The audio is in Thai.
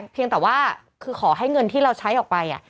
เพียงแต่ว่าคือขอให้เงินที่เราใช้ออกไป